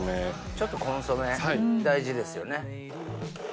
ちょっとコンソメ大事ですよね。